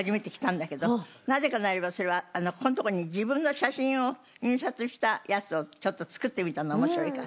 なぜならばそれはここの所に自分の写真を印刷したやつをちょっと作ってみたの面白いから。